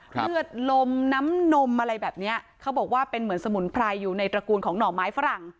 เลือดลมน้ำนมอะไรแบบเนี้ยเขาบอกว่าเป็นเหมือนสมุนไพรอยู่ในตระกูลของหน่อไม้ฝรั่ง